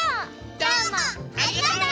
どうもありがとう！